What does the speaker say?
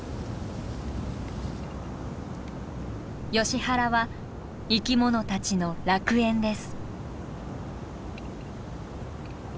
ヨシ原は生き物たちの楽園です。